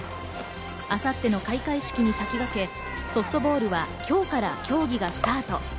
明後日の開会式場に先駆け、ソフトボールは今日から競技がスタート。